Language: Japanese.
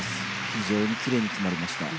非常にキレイに決まりました。